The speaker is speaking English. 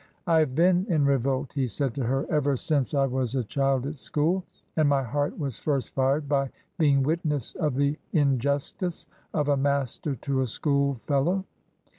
" I have been in revolt/' he said to her, " ever since I was a child at school ; and my heart was first fired by being witness of the injustice of a master to a school fellow.